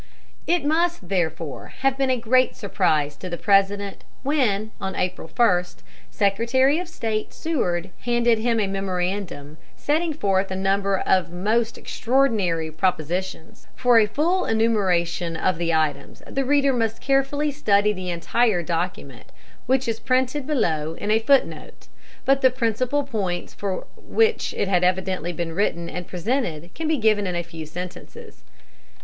It must therefore have been a great surprise to the President when, on April 1, Secretary of State Seward handed him a memorandum setting forth a number of most extraordinary propositions. For a full enumeration of the items the reader must carefully study the entire document, which is printed below in a foot note; but the principal points for which it had evidently been written and presented can be given in a few sentences.